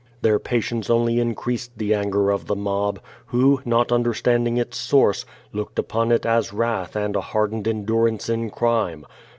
Their patience only increased the anger of the mob, who, not understanding its source, looked upon it as wrath and a hardened endurance in crime.